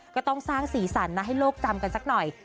ก็ต้องสร้างสีสันนะให้โลกจำกันสักหน่อย